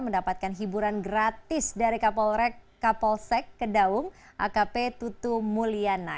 mendapatkan hiburan gratis dari kapolsek kedaung akp tutu mulyana